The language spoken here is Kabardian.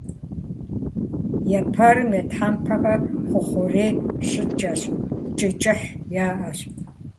Епэрым я тхьэмпэхэр хуэхъурей щӏыкӏэщ, кӏы кӏыхь яӏэщ.